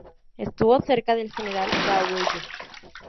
Estuvo cerca del general de Gaulle.